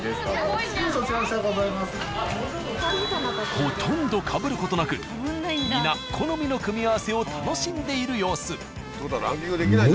ほとんどかぶる事なく皆好みの組み合わせを楽しんでいる様子。